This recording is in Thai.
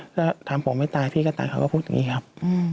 ถ้าถามผมไม่ตายพี่ก็ตายเขาก็พูดอย่างนี้ครับ